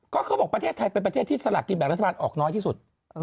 ก็เขาบอกประเทศไทยเป็นประเทศที่สลากกินแบ่งรัฐบาลออกน้อยที่สุด